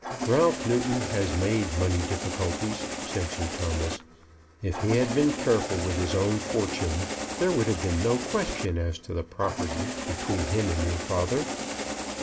"Ralph Newton has made money difficulties," said Sir Thomas. "If he had been careful with his own fortune there would have been no question as to the property between him and your father."